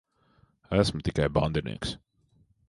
Esmu tikai bandinieks.